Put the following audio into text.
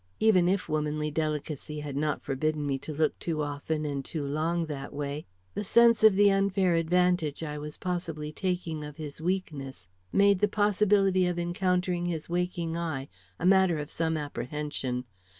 Even if womanly delicacy had not forbidden me to look too often and too long that way, the sense of the unfair advantage I was possibly taking of his weakness made the possibility of encountering his waking eye a matter of some apprehension.